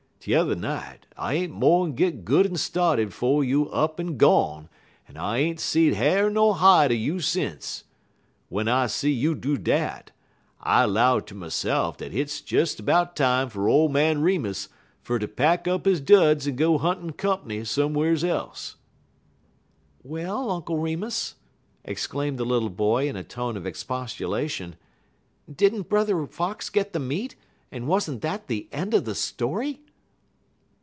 T'er night, I ain't mo'n git good en started 'fo' you er up en gone, en I ain't seed ha'r ner hide un you sence. W'en I see you do dat, I 'low ter myse'f dat hit's des 'bout time fer ole man Remus fer ter pack up he duds en go hunt comp'ny some'r's else." "Well, Uncle Remus," exclaimed the little boy, in a tone of expostulation, "did n't Brother Fox get the meat, and was n't that the end of the story?"